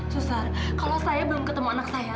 susah kalau saya belum ketemu anak saya